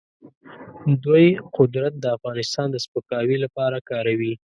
دوی قدرت د افغانستان د سپکاوي لپاره کاروي.